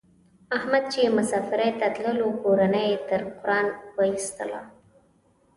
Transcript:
احمد چې مسافرۍ ته تللو کورنۍ یې تر قران و ایستلا.